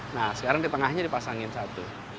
nah sekarang di tengahnya dipasangin satu